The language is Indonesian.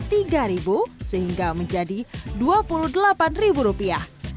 sehingga anda cukup menambah tiga ribu sehingga menjadi dua puluh delapan ribu rupiah